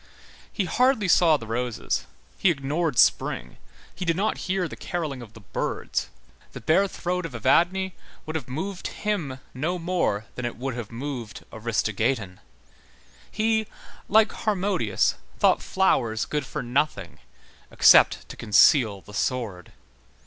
He hardly saw the roses, he ignored spring, he did not hear the carolling of the birds; the bare throat of Evadne would have moved him no more than it would have moved Aristogeiton; he, like Harmodius, thought flowers good for nothing except to conceal the sword.